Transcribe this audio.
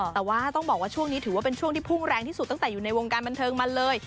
แต่ว่าต้องบอกว่าช่วงนี้ถือว่าเป็นช่วงที่พุ่งแรงที่สุดตั้งแต่อยู่ในวงการบันเทิงมาเลย